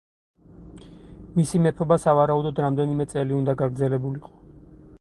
მისი მეფობა სავარაუდოდ რამდენიმე წელი უნდა გაგრძელებულიყო.